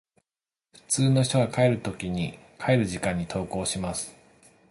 普通の人が帰る時間に登校します。